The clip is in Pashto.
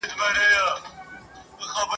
بيا به خپل کي دا دښتونه ..